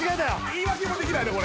言い訳もできないね